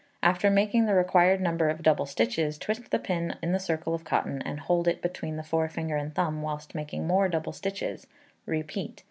After making the required number of double stitches, twist the pin in the circle of cotton, and hold it between the forefinger and thumb, whilst making more double stitches; repeat.